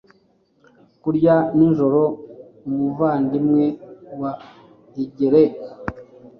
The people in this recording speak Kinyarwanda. Kurya nijoro Umuvandimwe wa Higelac